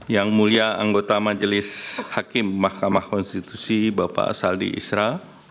yang mulia anggota majelis hakim mahkamah konstitusi bapak saldi isra